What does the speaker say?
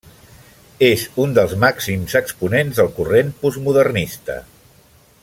És un dels màxims exponents del corrent postmodernista.